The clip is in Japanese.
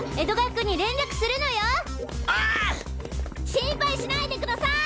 心配しないでください！